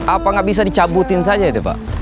apa nggak bisa dicabutin saja itu pak